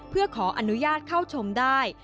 เพื่อขออนุญาตเข้าชมได้